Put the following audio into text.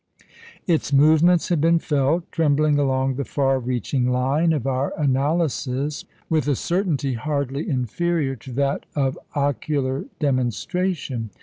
Its movements have been felt, trembling along the far reaching line of our analysis with a certainty hardly inferior to that of ocular demonstration."